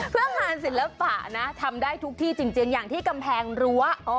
เพื่องานศิลปะนะทำได้ทุกที่จริงอย่างที่กำแพงรั้ว